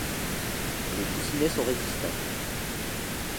Les coussinets sont résistants.